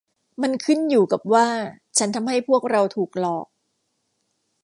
มันขึ้นอยู่กับว่าฉันทำให้พวกเราถูกหลอก